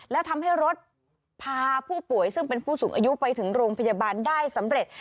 และทำให้รถพาผู้ป่วยซึ่งเป็นผู้สูงอายุไปถึงโรงพยาบาลได้สำเร็จ